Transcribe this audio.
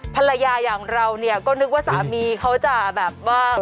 ภรรยาอย่างเราเนี่ยก็นึกว่าสามีเขาจะแบบว่า